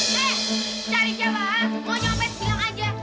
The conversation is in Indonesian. hei cari cewek mau nyopet bilang aja